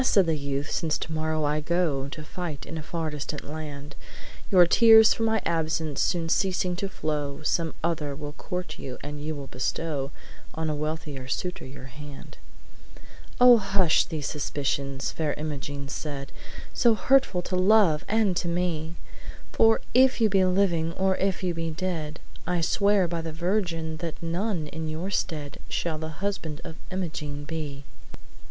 said the youth, 'since tomorrow I go To fight in a far distant land, Your tears for my absence soon ceasing to flow, Some other will court you, and you will bestow On a wealthier suitor your hand.' 'Oh, hush these suspicions!' Fair Imogene said, "So hurtful to love and to me! For if you be living, or if you be dead, I swear by the Virgin that none in your stead Shall the husband of Imogene be!'